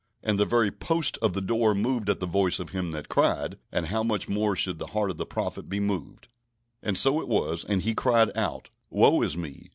And the very "posts of the door moved at the voice of him that cried"; and how much more should the heart of the prophet be moved! And so it was; and he cried out: "Woe is me!